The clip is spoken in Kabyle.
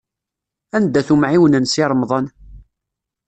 Anda-t umɛiwen n Si Remḍan?